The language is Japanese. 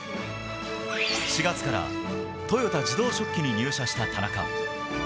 ４月から豊田自動織機に入社した田中。